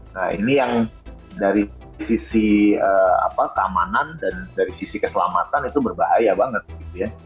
nah ini yang dari sisi keamanan dan dari sisi keselamatan itu berbahaya banget gitu ya